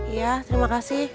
iya terima kasih